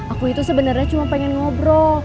aku itu sebenarnya cuma pengen ngobrol